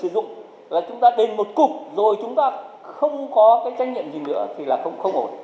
rồi chúng ta không có cái tranh nhận gì nữa thì là không ổn